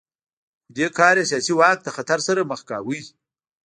خو دې کار یې سیاسي واک له خطر سره مخ کاوه